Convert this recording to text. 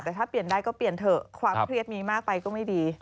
แต่ถ้าเปลี่ยนได้ก็เปลี่ยนเถอะความเครียดมีมากไปก็ไม่ดี